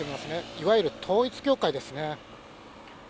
いわゆる統一教会ですね。